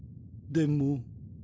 でも？